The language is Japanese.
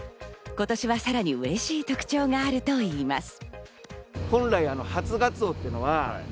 今年はさらに嬉しい特徴があるといいます。